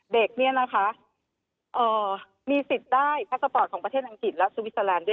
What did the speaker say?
เด็กเนี่ยนะคะมีสิทธิ์ได้พาสปอร์ตของประเทศอังกฤษและสวิสเตอร์แลนด์ด้วย